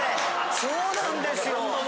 そうなんですよ。